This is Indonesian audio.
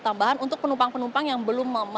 tambahan untuk penumpang penumpang yang belum